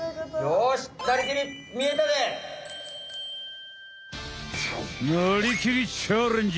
よし「なりきり！チャレンジ！」。